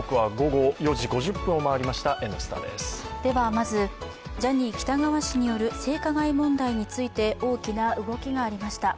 まず、ジャニー喜多川氏による性加害問題について大きな動きがありました。